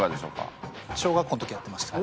小学校の時やってました。